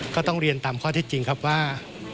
ก็ต้องเรียนตามข้อที่จริงครับว่า